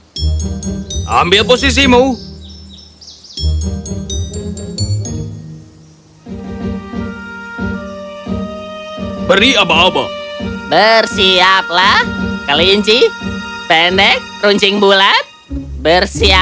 jangan lupa dengan meyakinkan suchkin accounts dan tekinan pada tiga kaum be spirit critic untuk mendapatkannya